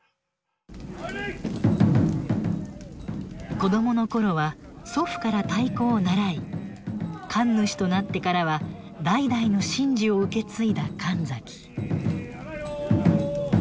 子供の頃は祖父から太鼓を習い神主となってからは代々の神事を受け継いだ神崎。